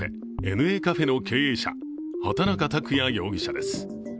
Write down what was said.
ＮＡカフェの経営者畑中卓也容疑者です。